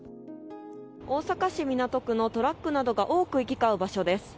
大阪市港区のトラックなどが多く行き交う場所です。